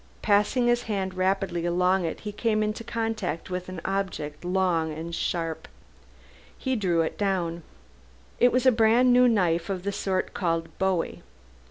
Passing his hand rapidly along it came into contact with an object long and sharp. He drew it down. It was a brand new knife of the sort called bowie.